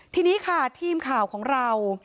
ทีนี้ค่ะทีมข่าวของเรา